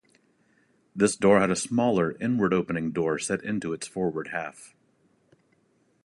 This door had a smaller, inward-opening door set into its forward half.